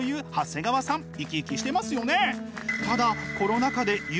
生き生きしてますよね！